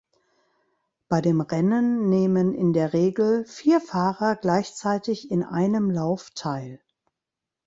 Bei dem Rennen nehmen in der Regel vier Fahrer gleichzeitig in einem Lauf teil.